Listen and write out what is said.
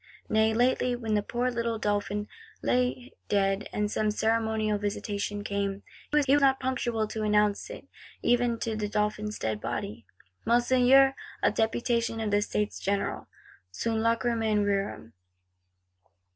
Nay lately, when the poor little Dauphin lay dead, and some ceremonial Visitation came, was he not punctual to announce it even to the Dauphin's dead body: 'Monseigneur, a Deputation of the States General!' _Sunt lachrymæ rerum.